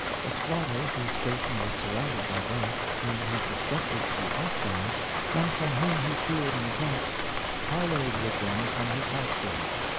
A squatter, whose station was surrounded by Blacks, whom he suspected to be hostile and from whom he feared an attack, parleyed with them from his house door.